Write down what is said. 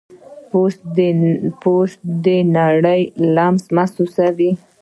پوست د نړۍ لمس محسوسوي.